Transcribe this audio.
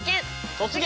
「突撃！